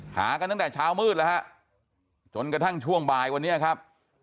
หากันตั้งแต่เช้ามืดแล้วฮะจนกระทั่งช่วงบ่ายวันนี้ครับ